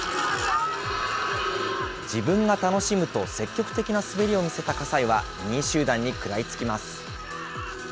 自分が楽しむと、積極的な滑りを見せた葛西は、２位集団に食らいつきます。